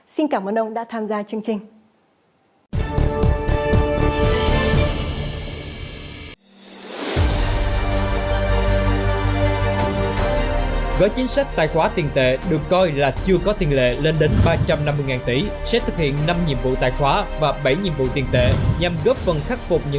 xin cảm ơn ông đã tham gia chương trình